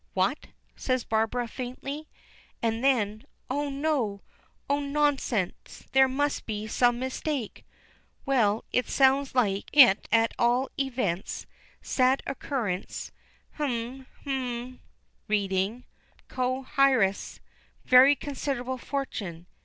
"What!" says Barbara faintly. And then, "Oh no. Oh! nonsense! there must be some mistake!" "Well, it sounds like it at all events. 'Sad occurrence,' h'm h'm " reading. "'Co heiresses. Very considerable fortune.'"